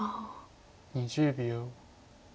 ２０秒。